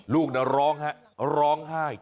ลูกนักร้องได้ครับร้องไห้